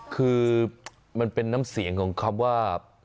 คือมันเป็นน้ำเสียงของคำว่า